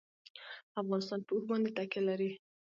افغانستان په اوښ باندې تکیه لري.